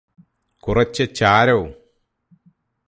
കുറച്ച് ചാരവും